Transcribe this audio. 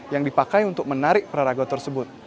yang dipakai untuk menarik praraga tersebut